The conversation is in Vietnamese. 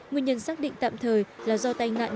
nguyên nhân xác định tạm thời là do tai nạn